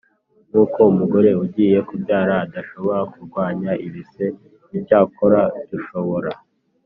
Nk uko umugore ugiye kubyara adashobora kurwanya ibise icyakora dushobora